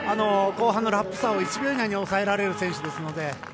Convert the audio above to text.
後半のラップ差を１秒以内に抑えられる選手なので。